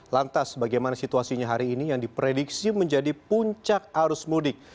lantas bagaimana situasinya hari ini yang diprediksi menjadi puncak arus mudik